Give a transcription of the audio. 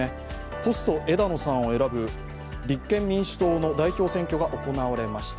ポスト枝野さんを選ぶ立憲民主党の代表選挙が行われました。